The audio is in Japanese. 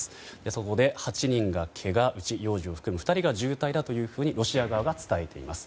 そこで、８人がけがうち幼児を含む２人が重体だというふうにロシア側が伝えています。